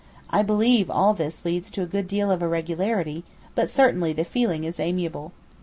I believe all this leads to a good deal of irregularity, but certainly the feeling is amiable.